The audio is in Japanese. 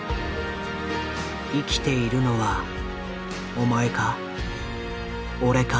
生きているのはお前か俺か？